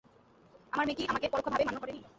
আমার মেয়ে কি আমাকে পরোক্ষভাবে মান্য করেনি?